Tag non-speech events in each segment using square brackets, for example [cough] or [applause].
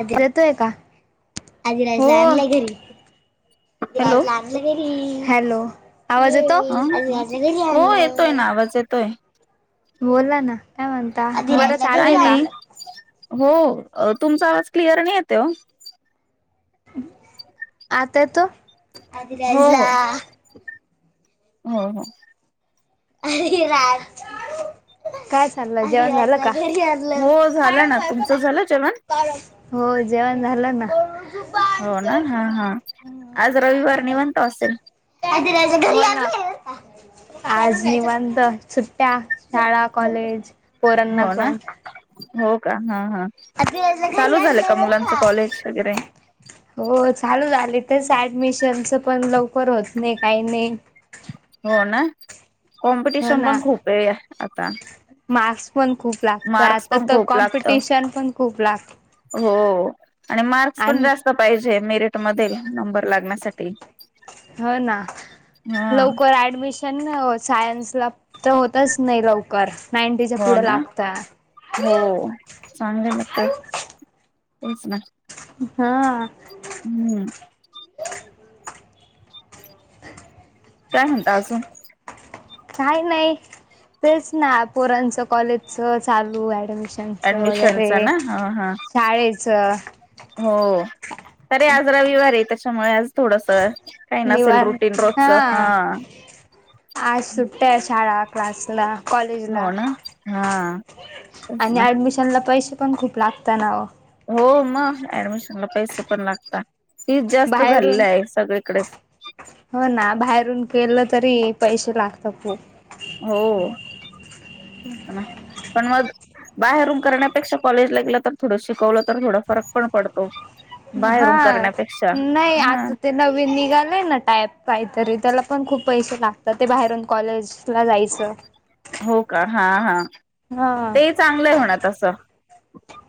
आता येतोय का. हो आधिराजला आणलं घरी हॅलो आराज ला आणलं घरी हॅलो. आवाज येतो. ह हो येतोय ना आवाज येतोय बोला ना काय म्हणता हा बर काय चालूय का. नाही हो तुमचा आवाज क्लिअर नाही येते हो. आता येतो. हो हो हो हो. काय चाललं जेवण झालं का. हो झालं ना तुमचं झालं जेवण हो जेवण झालं ना. हो ना हा हा आज रविवार निवंत असेल. [unintelligible] आज निवंत सुट्ट्या शाळा कॉलेज पोरांना हो ना पण. हो का हा हा चालू झालं का मुलांचं कॉलेज वगैरे हो च चालू झाली तेच ऍडमिशनच पण लवकर होत नाही काही नाही. हो ना हो कॉम्पिटिशन ना. पण खूप आहे आता. मार्क्स पण खूप लागत मार्क्स आता पण तर खूप लागत कॉम्पिटिशन पण खूप लाग हो आणि मार्क्स पण जास्त पाहिजे मेरिट मध्ये लग्नासाठी हो ना लकर ऍडमिशन सायन्सला तर होतच नाही लवकर. नाईंटीच्या हो पुढे ना लागता. हो चांगले मग तर तेच ना. हा. हम्म. काय म्हणता अजून? काही नाही तेच ना पोरांच कॉलेजच चालू ऍडमि शनच ऍडमिशनच वगैरे ना ह हा शाळेच. हो तरी आज रविवार ये त्याच्यामुळे आज थोडस काही नसेल निवांत रुटीन हा रोजच आज सुट्ट्या शाळा क्लास ला कॉलेज ला हो ना हा तेच आणि ना ऍडमिशन ला पैशे पण खूप लागता नाओ. हो मग ऍडमिशन ला पैसे पण लागतात. फीज जास्त झालेली बाहेरून आहे सगळीकडेच. हो ना बाहेरून केलं तरी पैसे लागतात खूप. हो. पण मग बाहेरून करण्यापेक्षा कॉलेजला गेलं तर थोडं शिकवलं तर थोडं फार फरक पण पडतो. बाहेरून हां करण्यापेक्षा नाही हा आता ते नवीन निघालय ना टाईप काहीतरी त्याला पण खूप पैसे लागतात, ते बाहेरून कॉलेज ला जायचं. हो का हा हा, हा ते चांगलं हाय म्हणा तस.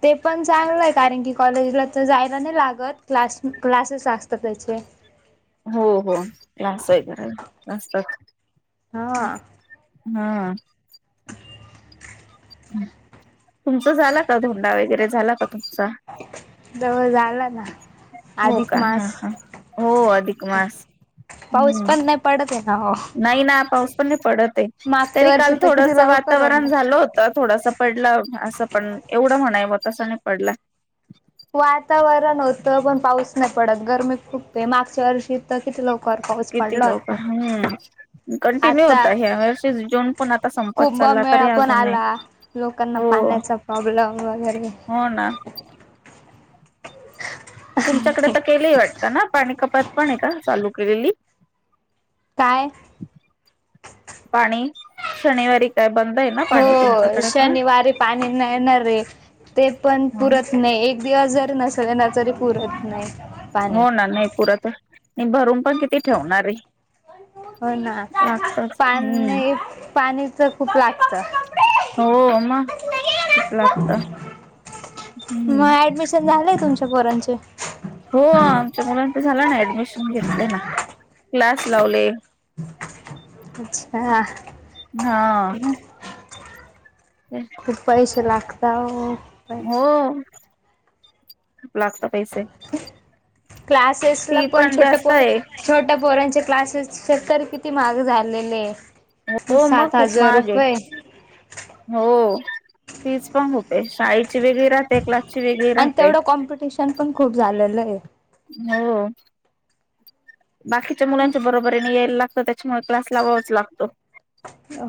ते पण चांगलं ए कारण की कॉलेजला तर जायला नाही लागत क्लास क्लासेस असतात त्याचे. हो हो क्लास हाय खर असतात. हा. हां. तुमच झाला का धोंडा वगैरे झाला का तुमचा? जवळ झाला ना. हो अधिक का हा मास, हा हो अधिक मास पाऊस पण नाई पडत ए. नाई ना पाऊस पण नाई पडत ए, मागच्या तरी वर्षी काल तर किती थोडस लवकर होता. वातावरण झालं होतं थोडस पडला असं पण एवढं म्हणायव तसा नाई पडला. वातावरण होतं पण पाऊस नाई पडत गरमी खूप ए मागच्या वर्षी तर किती लव किती लवकर, हम् कंटिन्यू आता होता ह्या वर्षी जून पण आता संपत चाल मेळा पण आला लोकांना पाण्याचा प्रॉब्लेम वगैरे हो ना [inaudible] [inaudible] तुमच्याकडे तर केलिए वाटत ना पाणी कपात पण ये का चालू केलेली? काय पाणी शनिवारी बंद आहे ना पाणी हो तुमच्याकडे पण? शनिवारी पाणी नाही येणार रे. ते पण पुरत नाई एक दिवस जरी नसले ना तरी पुरत नाई पाणी हो ना नाही पुरत भरून पण किती ठेवणार आहे हो ना लागतच हम्म पाणी पाणी च खूप लागत. हो म खूप लागत. मग हम्म ऍडमिशन झालंय तुमच्या पोरांचे? हो आमच्या मुलांच झाला ना ऍडमिशन घेतले ना क्लास लावले. अच्छा. हा. खूप पैसे लागताव. हो. लागता पैसे. क्लासेस ला फी पण छोटं जास्त पोर आहे छोटं पोरांचे क्लासेस तर खर किती महाग झालेलेय. हो मग खूप महाग हे हो फीच पण खूप. एक शाळेची वेगळी राहते क्ला आणि तेवढं कॉम्पिटिशन पण खूप झालेलंय. हो. बाकीच्या मुलांच्या बरोबरीने यायला लागतं त्याच्यामुळे क्लास लावावाच लागतो.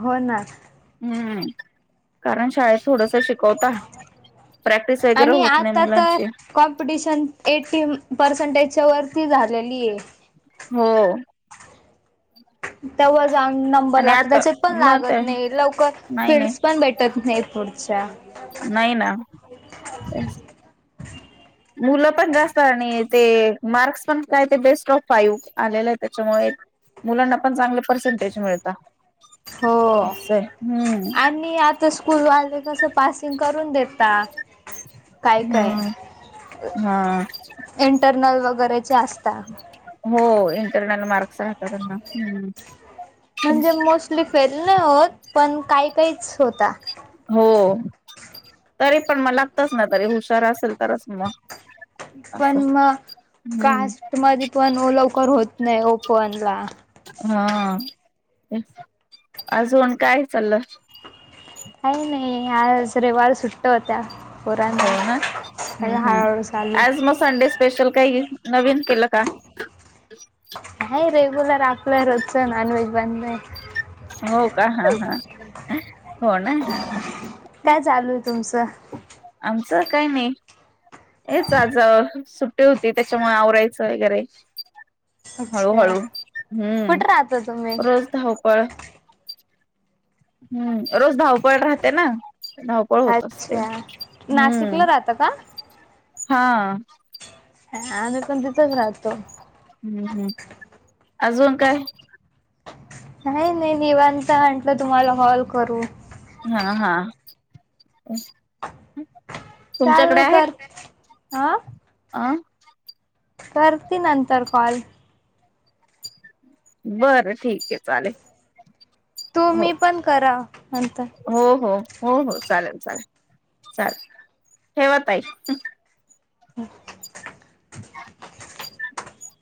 हो ना. हम्म कारण शाळेत थोडंसं शिकवता प्रॅक्टिस वगैरे आणि होत नाही आता तर मुलांची कॉम्पिटिशन एटी पर्सेंटेजच्या वरती झालेलीये. हो. तेव्हा जाऊन नंबर आणि लागतो आता त्याच्यात पण मग लागत ते नाही लवकर नाही नाही फिल्डस पण भेटत नाही पुढ! नाही ना ते मुलं पण जास्त आणि ते मार्क्स पण काय ते बेस्ट ऑफ फाईव आलेलाहे त्याच्यामुळे. मुलांना पण चांगले पर्सेंटेज मिळता. हो असं हम्म आणि आता स्कूलवालं कस पासिंग करून देेता काय - काय हम्म हा इंटरनल व करायचे असता. हो [unintelligible] मार्क्स राहता त्यांना हम्म. म्हणजे मोस्टली फेल नाही होत पण काही काहीच होता. हो तरी पण म लागतंच ना तरी हुशार असेल तरच मग. असं पण म हम्म कास्ट मधी पण ओ लवकर होत नाही ओपनला. हा [unintelligible] अजून काय चाललं? काही नाही आज रेवार सुट्ट होत्या. हो पोरांना ना? हं सगळं - हं हळूहळू चालू आज मग संडे स्पेशल काही नवीन केलं का? हो रेग्युलर आपलं रोजच नॉनव्हेज बनलंय. हो का? हं -हं हो ना हं-हं. काय [inaudible] स काही नाही हेच आज सुट्टी होती त्याच्यामुळे आवरायचं वगैरे अच्छा हळू-हळू कुठे राहता तुम्ही हम्म रोज धावपळ हम्म रोज धवपळ राहते ना! धावपळ होत असते. अच्छा हम्म. नाशिकला राहता का हा. हां आम्हीपण तिथंच राहतो. हम्म- हम्म अजून काय? नाही - नाही निवांत म्हटलं तुम्हाला कॉल करू. हा - हा [unintelligible] तुमच्याकडे आहे? ऑ? आं करती नंतर कॉल. बरं ठीके चालेल. हो तुम्ही पण करा नंतर. हो हो हो- हो चालेल - चालेल -चालेल ठेवा ताई. हं. [inaudible]